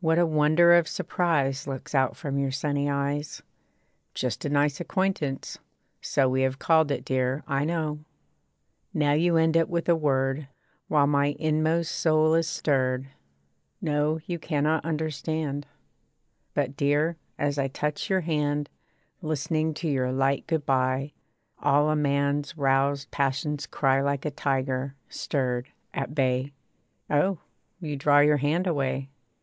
What a wonder of surprise Looks out from your sunny eyes. 'Just a nice acquaintance.' So We have called it, dear, I know. Now you end it with a word, While my inmost soul is stirred. No you cannot understand. But, dear, as I touch your hand, Listening to your light good bye, All a man's roused passions cry Like a tiger, stirred, at bay. Oh! you draw your hand away.